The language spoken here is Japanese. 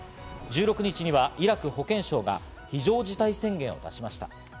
１６日にはイラク保健省が非常事態宣言を出しました。